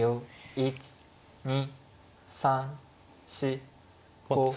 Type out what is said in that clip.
１２３４５。